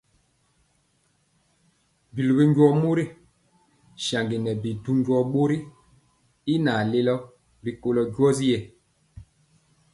Biluwi njɔɔ mori saŋgi nɛ bi du njɔɔ bori y naŋ lelo rikolo njɔɔtyi.